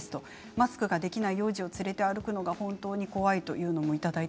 マスクができない幼児を連れて歩くのが本当に怖い。